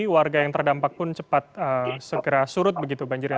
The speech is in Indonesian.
warga yang terdampak pun cepat segera surut begitu banjirnya